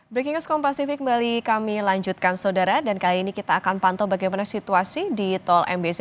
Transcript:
breaking news compacific kembali kami lanjutkan saudara dan kali ini kita akan pantau bagaimana situasi di tol mbc